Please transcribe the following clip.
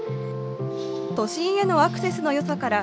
都心へのアクセスの良さから